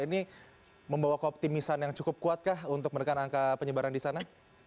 ini membawa keoptimisan yang cukup kuat kah untuk menekan angka penyebaran di sana